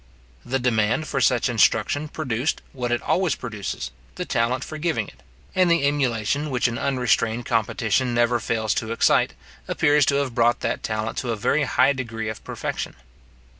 The demand for such instruction produced, what it always produces, the talent for giving it; and the emulation which an unrestrained competition never fails to excite, appears to have brought that talent to a very high degree of perfection.